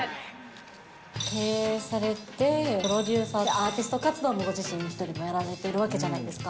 経営されて、プロデューサー、アーティスト活動もご自身でやられているわけじゃないですか。